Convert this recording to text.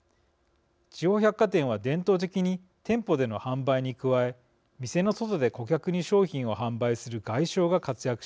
地方百貨店は伝統的に店舗での販売に加え店の外で顧客に商品を販売する外商が活躍してきました。